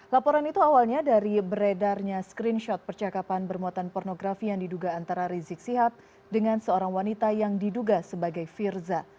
laporan itu awalnya dari beredarnya screenshot percakapan bermuatan pornografi yang diduga antara rizik sihab dengan seorang wanita yang diduga sebagai firza